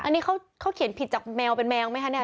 อันนี้เขาเขียนผิดจากแมวเป็นแมวไหมคะเนี่ย